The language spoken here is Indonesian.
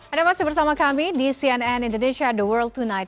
ada masih bersama kami di cnn indonesia the world tonight